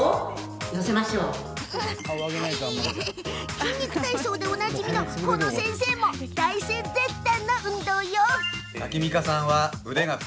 筋肉体操でおなじみのこの先生も大絶賛！